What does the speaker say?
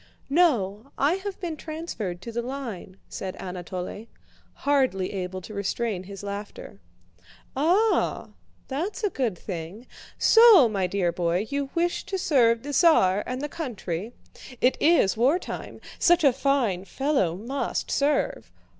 "No, I have been transferred to the line," said Anatole, hardly able to restrain his laughter. "Ah! That's a good thing. So, my dear boy, you wish to serve the Tsar and the country? It is wartime. Such a fine fellow must serve.